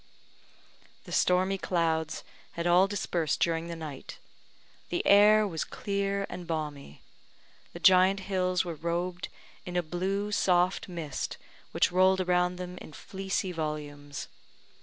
The stormy clouds had all dispersed during the night; the air was clear and balmy; the giant hills were robed in a blue, soft mist, which rolled around them in fleecy volumes.